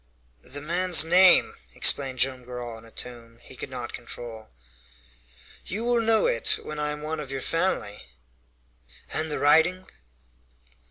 "The man's name?" exclaimed Joam Garral, in a tone he could not control. "You will know it when I am one of your family." "And the writing?"